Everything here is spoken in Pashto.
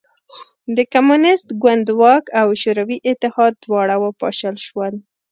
د کمونېست ګوند واک او شوروي اتحاد دواړه وپاشل شول